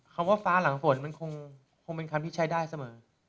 คำว่าฟ้าหลังฝนมันคงเป็นคำที่ใช้ได้เสมอ